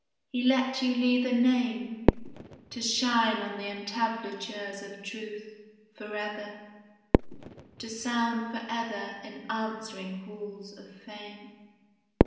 He let you leave a name To shine on the entablatures of truth, Forever: To sound forever in answering halls of fame.